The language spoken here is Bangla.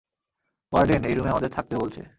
ওয়ার্ডেন এই রুমে আমাদের থাকতে বলছে।